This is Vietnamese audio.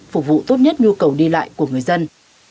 phục vụ tốt nhất nhu cầu đi lại của người dân